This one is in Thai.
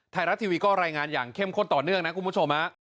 ไทยรัฐทีวีก็รายงานอย่างเข้มข้นต่อเนื่องนะคุณผู้ชม